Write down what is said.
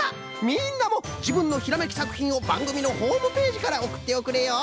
みんなもじぶんのひらめきさくひんをばんぐみのホームページからおくっておくれよ。